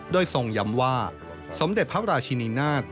โดยทรงย้ำว่าสมเด็จพระราชินีนาฏ